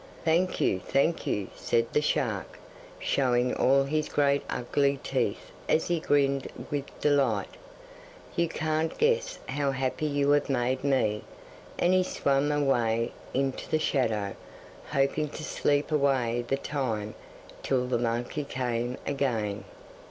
'Thank you, thank you,' said the shark, showing all his great ugly teeth as he grinned with delight; 'you can't guess how happy you have made me,' and he swam away into the shadow, hoping to sleep away the time till the monkey came again.